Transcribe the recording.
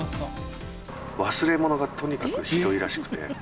忘れ物がとにかくひどいらしくて。